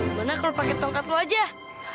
gimana kalau pakai tongkat wajah